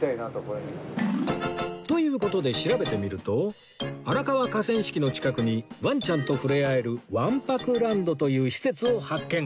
という事で調べてみると荒川河川敷の近くにワンちゃんと触れ合えるわん泊ランドという施設を発見